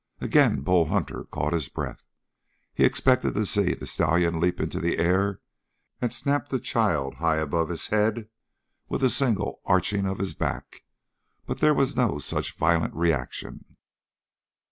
Again Bull Hunter caught his breath. He expected to see the stallion leap into the air and snap the child high above his head with a single arching of his back, but there was no such violent reaction.